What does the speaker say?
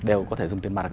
đều có thể dùng tiền mặt